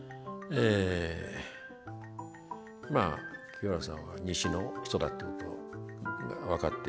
まあ、清原さんは西の人だってことが分かって。